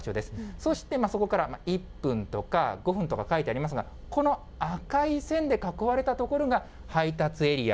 そして、そこから１分とか、５分とか書いてありますが、この赤い線で囲われた所が、配達エリア。